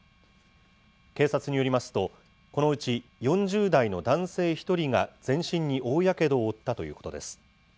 警察によりますと、このうち４０代の男性１人が全身に大やけどを負ったということです。